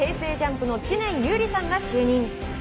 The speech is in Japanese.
ＪＵＭＰの知念侑李さんが就任。